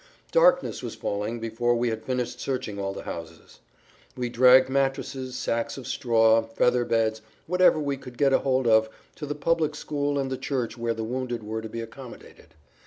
Darkness was falling before we had finished searching all the houses. We dragged mattresses, sacks of straw, feather beds, whatever we could get hold of, to the public school and the church where the wounded were to be accommodated.